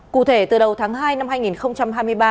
cụ thể từ đầu tháng hai năm hai nghìn hai mươi ba